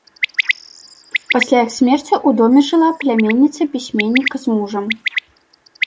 Пасля іх смерці ў доме жыла пляменніца пісьменніка з мужам.